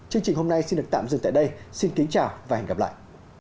chương trình hôm nay xin được tạm dừng tại đây xin kính chào và hẹn gặp lại